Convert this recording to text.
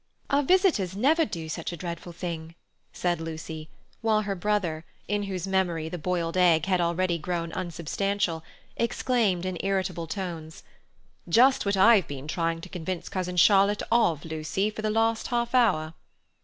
"Our visitors never do such dreadful things," said Lucy, while her brother, in whose memory the boiled egg had already grown unsubstantial, exclaimed in irritable tones: "Just what I've been trying to convince Cousin Charlotte of, Lucy, for the last half hour."